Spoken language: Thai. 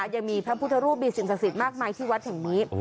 ยังมีพระพุทธรูปมีสิ่งศักดิ์สิทธิ์มากมายที่วัดแห่งนี้